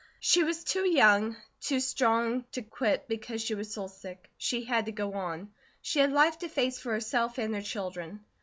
She was too young, too strong, to quit because she was soul sick; she had to go on. She had life to face for herself and her children.